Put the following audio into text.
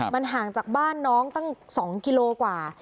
มันห่างจากบ้านน้องตั้ง๒กิโลกว่า